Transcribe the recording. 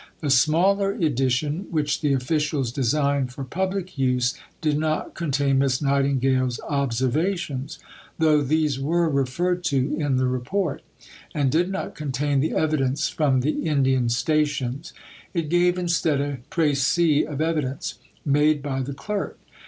The smaller edition, which the officials designed for public use, did not contain Miss Nightingale's "Observations" (though these were referred to in the Report) and did not contain the evidence from the Indian Stations. It gave instead a "précis of evidence" made by the Clerk.